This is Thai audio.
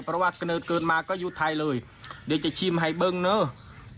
เพราะว่ากลรในเกิดมาก็อยู่ไทรเลยเดี๋ยวจะชิมให้บึงเนอะ